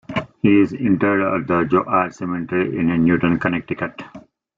He is interred at the Zoar Cemetery in Newtown, Connecticut.